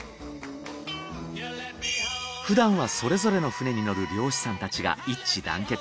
ふだんはそれぞれの船に乗る漁師さんたちが一致団結。